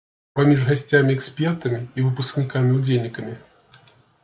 Паміж гасцямі-экспертамі і выпускнікамі-удзельнікамі.